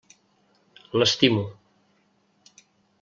L'estimo.